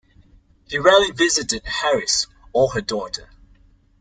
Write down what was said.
He rarely visited Harris or her daughter.